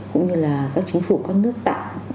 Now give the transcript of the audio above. cũng như là các chính phủ các nước tặng